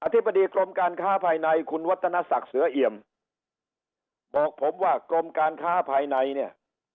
ธิบดีกรมการค้าภายในคุณวัฒนศักดิ์เสือเอี่ยมบอกผมว่ากรมการค้าภายในเนี่ย